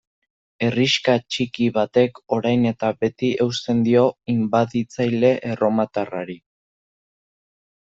Herrixka txiki batek orain eta beti eusten dio inbaditzaile erromatarrari!